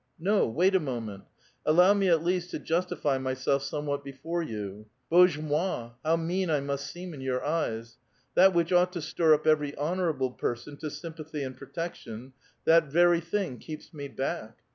"No, wait a moment. Allow me at least to justify my self somewhat before vou. Bozhe mot! how mean I must seem in your eyes ! That which ought to stir up every hon orable person to sympathy and protection ; that very thing keeps me back.